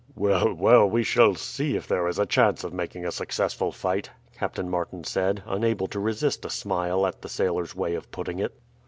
"Well, well, we shall see if there is a chance of making a successful fight," Captain Martin said, unable to resist a smile at the sailor's way of putting it.